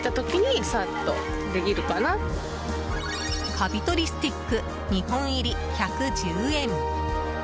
カビとりスティック２本入り、１１０円。